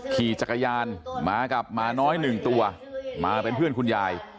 ขี่จักรยานมากับหมาน้อยหนึ่งตัวมาเป็นเพื่อนคุณยาย